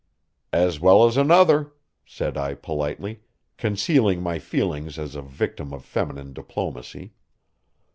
"As well as another," said I politely, concealing my feelings as a victim of feminine diplomacy.